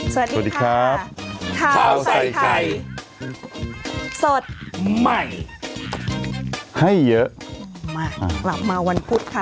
สวัสดีครับข้าวใส่ไข่สดใหม่ให้เยอะมากกลับมาวันพุธค่ะ